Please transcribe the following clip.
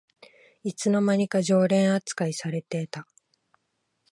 いつの間にか常連あつかいされてた